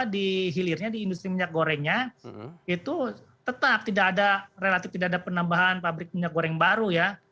di hilirnya di industri minyak gorengnya itu tetap tidak ada relatif tidak ada penambahan pabrik minyak goreng baru ya